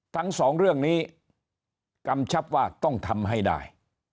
ทั้งสองเรื่องนี้กำชับว่าต้องทำให้ได้